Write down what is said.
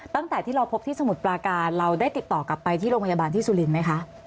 ตั้งแต่ที่เราพบที่สมุทรปลาการเราได้ติดต่อกลับไปที่โรงพยาบาลที่สุรินทร์ไหมคะ